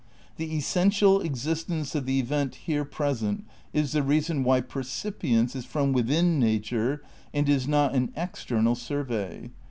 "The essential existence of the event here present is the reason why percipience is from within nature and is not an external sur vey.'"